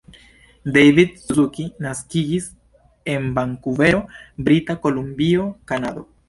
David Suzuki naskiĝis en Vankuvero, Brita Kolumbio, Kanado.